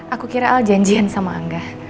aku kira al janjian sama angga